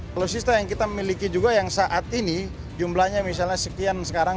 kalau sistem yang kita miliki juga yang saat ini jumlahnya misalnya sekian sekarang